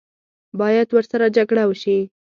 باید ورسره جګړه وشي.